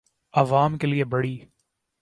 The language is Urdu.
آعوام کے لئے بڑی